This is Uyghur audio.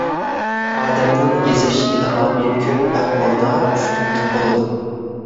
ئادەمنىڭ يېزىش ئىلھامى كۆپ ئەھۋالدا ئۇشتۇمتۇت بولىدۇ.